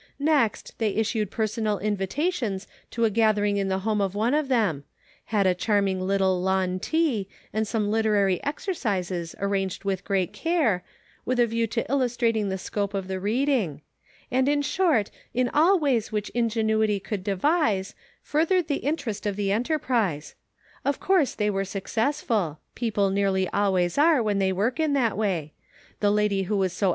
Next, they issued per sonal invitations to a gathering at the home of one of them ; had a charming little lawn tea, and some literary exercises arranged with great care, with a view to illustrating the scope of the reading ; and in short in all ways which ingenuity could devise, furthered the interest of the enterprise ; of course they were successful ; people nearly always are, when they work in that way ; the lady who was so "in his name."